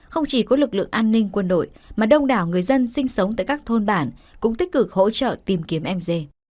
không chỉ có lực lượng an ninh quân đội mà đông đảo người dân sinh sống tại các thôn bản cũng tích cực hỗ trợ tìm kiếm m dê